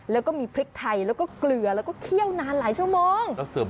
แล้วก็มีพริกไทยแล้วก็เกลือแล้วก็เคี่ยวนานหลายชั่วโมง